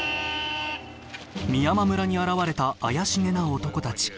美山村に現れた怪しげな男たち。